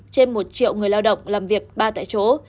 trên một triệu người lao động làm việc ba tại chỗ